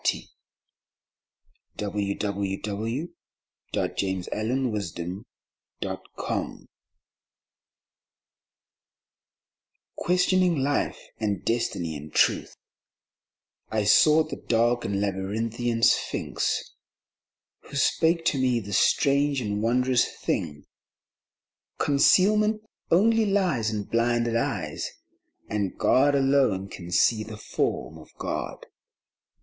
Practice and perception Questioning Life and Destiny and Truth, I sought the dark and labyrinthine Sphinx, Who spake to me this strange and wondrous thing :—" Concealment only lies in blinded eyes, And God alone can see the Form of God."